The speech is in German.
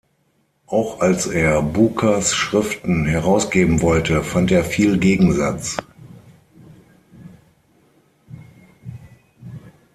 Auch als er Bucers Schriften herausgeben wollte, fand er viel Gegensatz.